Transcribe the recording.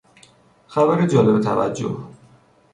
خبر جالب توجه